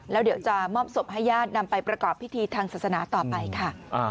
แล้วเดี๋ยวจะมอบศพให้ญาตินำไปประกอบพิธีทางศาสนาต่อไปค่ะ